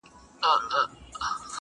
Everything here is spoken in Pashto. د زړګي لښکر مي ټوله تار و مار دی,